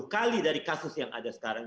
tiga puluh kali dari kasus yang ada sekarang